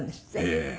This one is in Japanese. ええ。